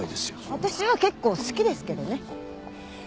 私は結構好きですけどね。